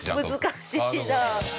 ◆難しいなあ。